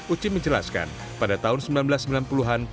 uci menjelaskan pada tahun seribu sembilan ratus sembilan puluh an